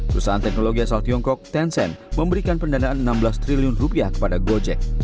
perusahaan teknologi asal tiongkok tencent memberikan pendanaan enam belas triliun rupiah kepada gojek